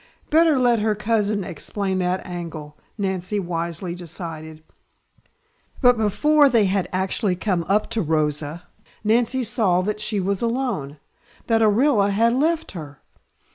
Better let her cousin explain that angle, Nancy wisely decided. But before they had actually come up to Rosa, Nancy saw that she was alone: that Orilla had left her!